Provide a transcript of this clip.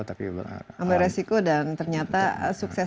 ambil resiko dan ternyata sukses